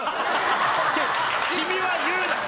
君は言うな！